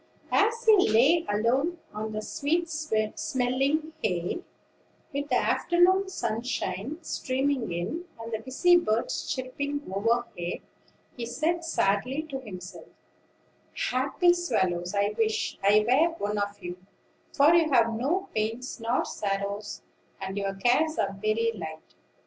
As he lay alone on the sweet smelling hay, with the afternoon sunshine streaming in, and the busy birds chirping overhead, he said sadly to himself: "Happy swallows, I wish I were one of you; for you have no pains nor sorrows, and your cares are very light.